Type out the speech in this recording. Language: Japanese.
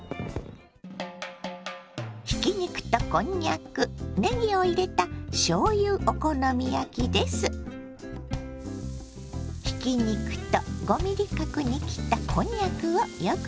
ひき肉とこんにゃくねぎを入れたひき肉と５ｍｍ角に切ったこんにゃくをよく炒めます。